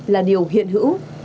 là điều hiện hữu